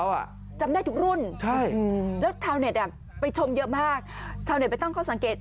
จำได้ทุกรุ่นแล้วชาวเน็ตไปชมเยอะมากชาวเน็ตไปตั้งข้อสังเกต